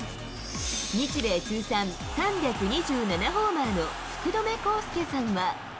日米通算３２７ホーマーの福留孝介さんは。